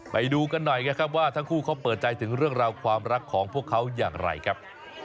ไปดูกันหน่อยนะครับว่าทั้งคู่เขาเปิดใจถึงเรื่องราวความรักของพวกเขาอย่างไรครับ